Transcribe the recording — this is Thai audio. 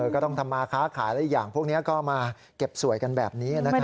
ก็ต้องทำมาค้าขายและอีกอย่างพวกนี้ก็มาเก็บสวยกันแบบนี้นะครับ